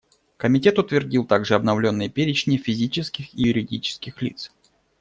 Комитет утвердил также обновленные перечни физических и юридических лиц.